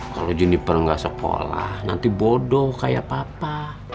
kalau jeniper gak sekolah nanti bodoh kayak papa